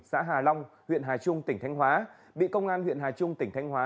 xã hà long huyện hà trung tỉnh thanh hóa bị công an huyện hà trung tỉnh thanh hóa